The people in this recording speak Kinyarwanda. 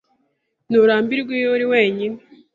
Nturambirwa iyo uri wenyine?